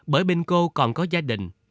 bởi bên cô còn có gia đình